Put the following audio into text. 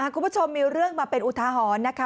คุณผู้ชมมีเรื่องมาเป็นอุทาหรณ์นะคะ